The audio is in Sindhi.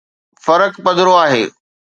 فرق پڌرو آهي.